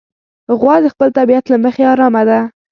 غوا د خپل طبیعت له مخې ارامه ده.